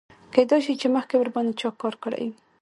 کیدای شي چې مخکې ورباندې چا کار نه وي کړی.